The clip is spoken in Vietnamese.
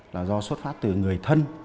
là do xuất phát từ người thân